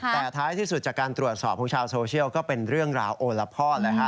แต่ท้ายที่สุดจากการตรวจสอบของชาวโซเชียลก็เป็นเรื่องราวโอละพ่อเลยฮะ